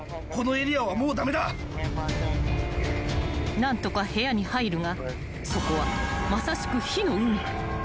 ［何とか部屋に入るがそこはまさしく］